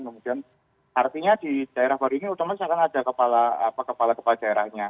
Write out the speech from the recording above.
kemudian artinya di daerah baru ini otomatis akan ada kepala kepala daerahnya